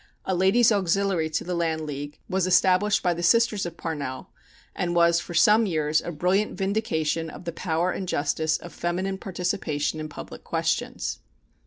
A Ladies' Auxiliary to the Land League was established by the sisters of Parnell, and was for some years a brilliant vindication of the power and justice of feminine participation in public questions.